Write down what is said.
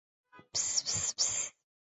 乾隆九年卒。